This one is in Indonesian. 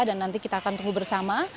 dan nanti kita akan tunggu bersama